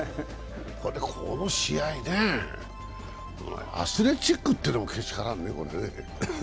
この試合ね、アスレチックスっていうのも、けしからんね。